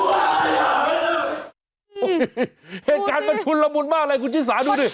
โอ้โหเหตุการณ์มันชุนละมุนมากเลยคุณชิสาดูดิ